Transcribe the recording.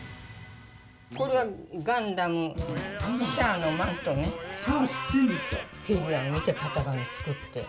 これはガンダム、シャアのマシャア、そうだよ、フィギュアを見て型紙作って。